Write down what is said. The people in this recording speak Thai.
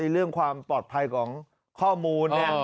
เรื่องความปลอดภัยของข้อมูล